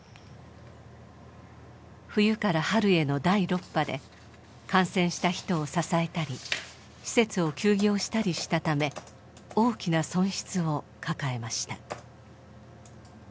冬から春への第６波で感染した人を支えたり施設を休業したりしたため大きな損失を抱えました。